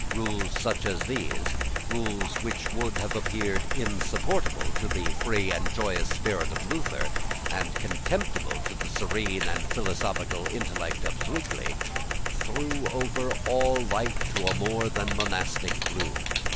Rules such as these, rules which would have appeared insupportable to the free and joyous spirit of Luther, and contemptible to the serene and philosophical intellect of Zwingle, threw over all life a more than monastic gloom.